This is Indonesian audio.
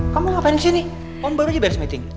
kau mau ngapain disini om baru aja beres meeting